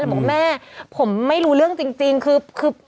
บอกว่าแม่ผมไม่รู้เรื่องจริงคือ